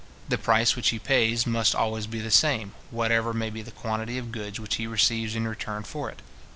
The price which he pays must always be the same, whatever may be the quantity of goods which he receives in return for it.